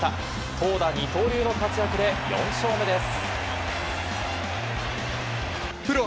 投打二刀流の活躍で４勝目です。